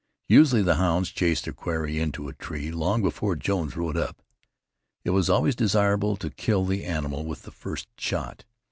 Usually the hounds chased their quarry into a tree long before Jones rode up. It was always desirable to kill the animal with the first shot.